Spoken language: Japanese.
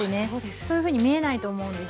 そういうふうに見えないと思うんですよ。